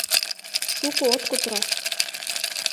Шуко от кутыро.